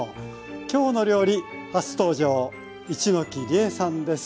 「きょうの料理」初登場一ノ木理恵さんです。